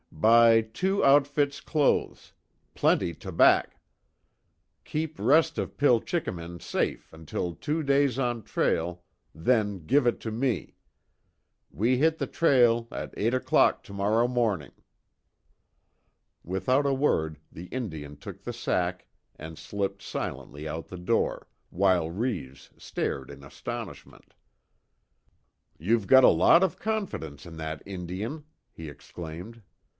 Buy two outfits clothes plenty tabac. Keep rest of pil chikimin safe until two days on trail, then give it to me. We hit the trail at eight o'clock tomorrow morning." Without a word the Indian took the sack and slipped silently out the door, while Reeves stared in astonishment: "You've got a lot of confidence in that Indian!" he exclaimed.